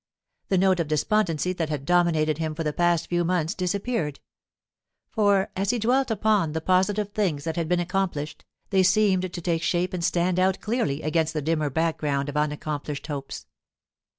The note of despondency that had dominated him for the past few months disappeared; for, as he dwelt upon the positive things that had been accomplished, they seemed to take shape and stand out clearly against the dimmer background of unaccomplished hopes.